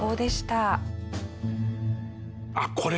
あっこれ